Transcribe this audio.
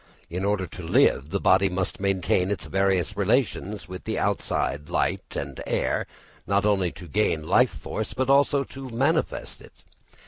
In order to live, the body must maintain its various relations with the outside light and air not only to gain life force, but also to manifest it.